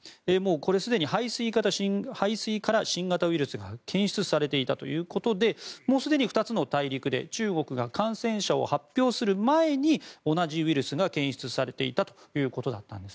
すでに排水から新型ウイルスが検出されていたということでもうすでに２つの大陸で中国が感染者を発表する前に同じウイルスが検出されていたということだったんです。